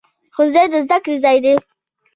ښوونځی د زده کړې ځای دی